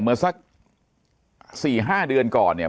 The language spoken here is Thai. เมื่อสัก๔๕เดือนก่อนเนี่ย